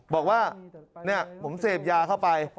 บอกว่าผมเสพยาเข้าไป